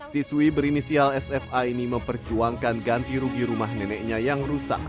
siswi berinisial sfa ini memperjuangkan ganti rugi rumah neneknya yang rusak